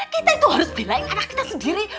kita itu harus bilang anak kita sendiri